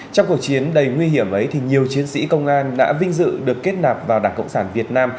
trong cuộc chiến đầy nguy hiểm ấy thì nhiều chiến sĩ công an đã vinh dự được kết nạp vào đảng cộng sản việt nam